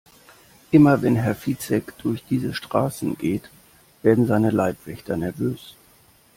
Immer wenn Herr Fitzek durch diese Straßen geht, werden seine Leibwächter nervös.